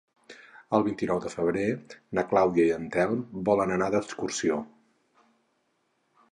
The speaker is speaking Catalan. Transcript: El vint-i-nou de febrer na Clàudia i en Telm volen anar d'excursió.